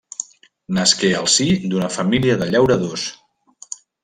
Nasqué al si d'una família de llauradors.